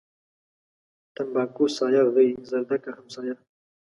تنباکو سايه غيي ، زردکه همسايه.